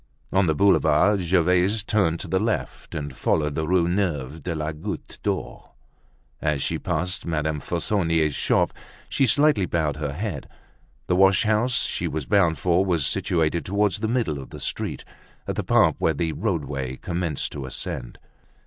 On the Boulevard, Gervaise turned to the left, and followed the Rue Neuve de la Goutte d'Or. As she passed Madame Fauconnier's shop, she slightly bowed her head. The wash house she was bound for was situated towards the middle of the street, at the part where the roadway commenced to ascend.